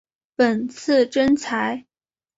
本次征才